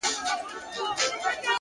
د باران وروسته هوا یو ډول سپکوالی لري.!